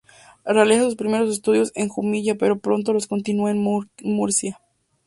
Realiza sus primeros estudios en Jumilla pero pronto los continúa en Murcia.